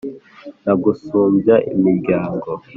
nagusumbya iminyago!